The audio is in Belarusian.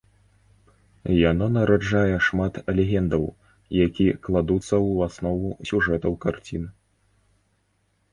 Яно нараджае шмат легендаў, які кладуцца ў аснову сюжэтаў карцін.